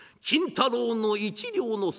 太郎の一両の損。